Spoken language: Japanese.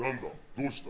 どうした？